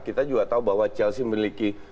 kita juga tahu bahwa chelsea memiliki